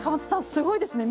すごいですね。